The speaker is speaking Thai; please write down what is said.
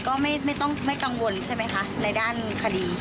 ก็ไม่ต้องกังวลใช่ไหมคะในด้านคดี